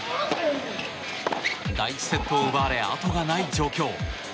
第１セットを奪われ後がない状況。